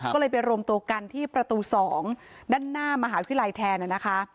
ก็เลยไปรวมตัวกันที่ประตู๒ด้านหน้ามหาวิทยาลัยแทนนะคะ